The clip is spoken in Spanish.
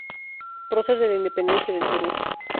Prócer de la Independencia del Perú.